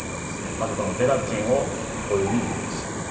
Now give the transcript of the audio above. まずこのゼラチンをお湯に入れます。